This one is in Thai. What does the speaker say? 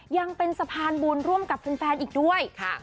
ยังเป็นสะพานบุญร่วมกับแฟนอีกด้วยค่ะ